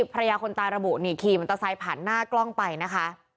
ภรรยาคนตายระบุนี่ขี่มอเตอร์ไซค์ผ่านหน้ากล้องไปนะคะ